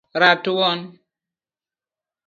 ratuon